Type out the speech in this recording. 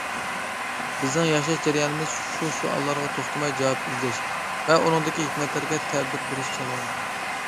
بىزنىڭ ياشاش جەريانىمىز شۇ سوئاللارغا توختىماي جاۋاب ئىزدەش ۋە ئۇنىڭدىكى ھېكمەتلەرگە تەبىر بېرىش جەريانىدۇر.